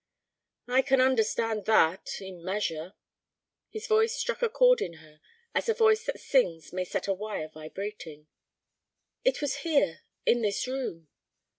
"I can understand that—in measure." His voice struck a chord in her, as a voice that sings may set a wire vibrating. "It was here—in this room."